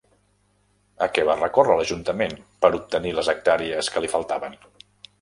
A què va recórrer l'ajuntament per obtenir les hectàrees que li faltaven?